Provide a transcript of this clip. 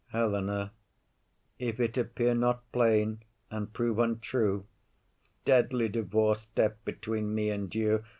HELENA. If it appear not plain, and prove untrue, Deadly divorce step between me and you!